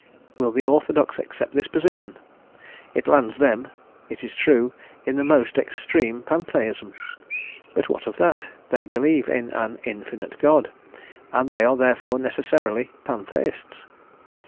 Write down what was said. Will the orthodox accept this position? It lands them, it is true, in the most extreme Pantheism, but what of that? They believe in an "infinite God" and they are therefore necessarily Pantheists.